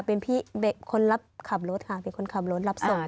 เป็นพี่คนรับขับรถค่ะเป็นคนขับรถรับส่ง